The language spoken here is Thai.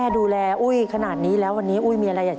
สุคคภาษาเสนอ